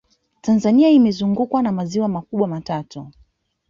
tanzania imezungukwa na maziwa makubwa matatu